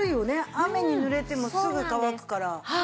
雨に濡れてもすぐ乾くから。